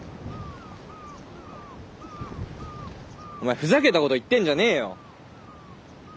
お前ふざけたこと言ってんじゃねえよ。